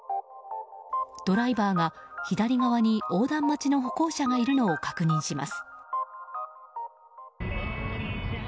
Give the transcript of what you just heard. ドライバーが左側に横断待ちの歩行者がいるのを確認します。